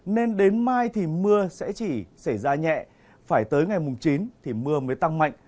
nên đến mai thì mưa sẽ chỉ xảy ra nhẹ phải tới ngày mùng chín thì mưa mới tăng mạnh